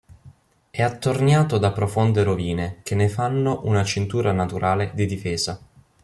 È attorniato da profonde rovine che ne fanno una cintura naturale di difesa.